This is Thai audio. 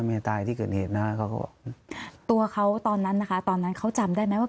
เมียตายที่เกิดเหตุนะเขาก็ตัวเขาตอนนั้นนะคะตอนนั้นเขาจำได้ไหมว่า